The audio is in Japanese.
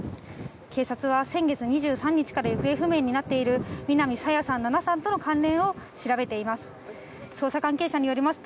警察は、先月２３日から行方不明になっている南朝芽さん７歳との関連を調べています。